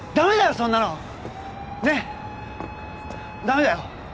そんなのねッダメだよ